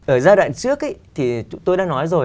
ở giai đoạn trước thì tôi đã nói rồi